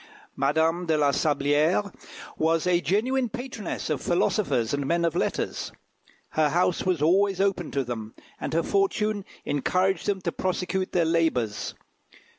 Madame de la Sablière was a genuine patroness of philosophers and men of letters. Her house was always open to them, and her fortune encouraged them to prosecute their labours.